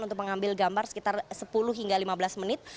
untuk mengambil gambar sekitar sepuluh hingga lima belas menit